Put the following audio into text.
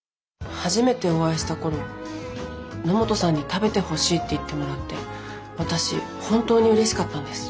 初めてお会いした頃野本さんに「食べてほしい」って言ってもらって私本当にうれしかったんです。